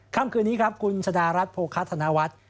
ค่ำคืนนี้ครับคุณชะดารัฐโภคาธนวัฒน์